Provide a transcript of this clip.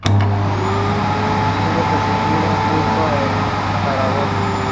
Glover permanece en la cárcel con cadena perpetua.